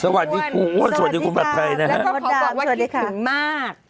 สวัสดีคุณสวัสดีคุณประเทยนะฮะแล้วก็ขอบอกว่าคิดถึงมาก